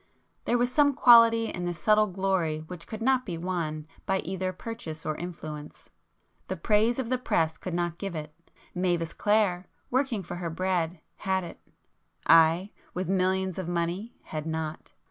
There was some quality in the subtle glory which could not be won by either purchase or influence. The praise of the press could not give it. Mavis Clare, working for her bread, had it,—I, with millions of money, had not.